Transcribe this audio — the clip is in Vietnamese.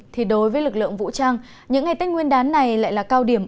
thì đối với lực lượng vũ trang những ngày tết nguyên đán này lại là cao điểm